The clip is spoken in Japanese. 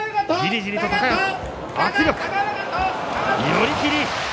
寄り切り。